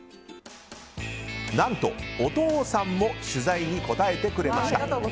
何とお父さんも取材に答えてくれました。